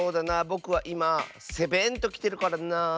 ぼくはいまセベンときてるからなあ。